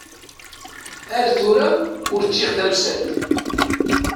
Ar tura ur ččiɣ tamsalt.